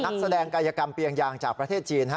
นักแสดงกายกรรมเปียงยางจากประเทศจีน